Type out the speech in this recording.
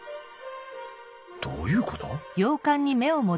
どういうこと？